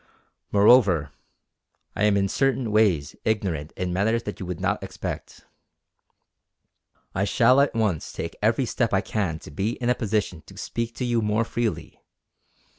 Moreover, I am in certain ways ignorant in matters that you would not expect. I shall at once take every step I can to be in a position to speak to you more freely.